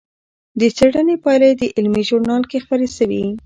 د څېړنې پایلې د علمي ژورنال کې خپرې شوې.